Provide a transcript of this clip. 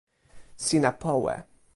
sina powe.